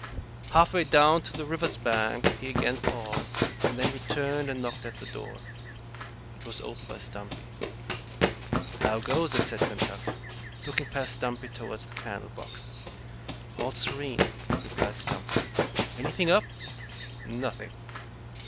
Halfway down to the river's bank he again paused, and then returned and knocked at the door. It was opened by Stumpy. "How goes it?" said Kentuck, looking past Stumpy toward the candle box. "All serene!" replied Stumpy. "Anything up?" "Nothing."